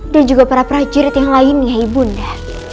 dan juga para prajurit yang lainnya ibunda